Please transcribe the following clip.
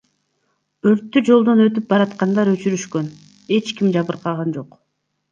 Өрттү жолдон өтүп бараткандар өчүрүшкөн, эч ким жабыркаган эмес.